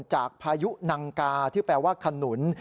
พายุนังกาที่แปลว่าขนุน